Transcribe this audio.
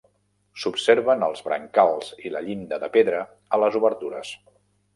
S'observen els brancals i la llinda de pedra a les obertures.